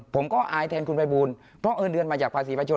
ผมก็อายแทนคุณภัยบูลเพราะเอิญเดือนมาจากภาษีประชาชน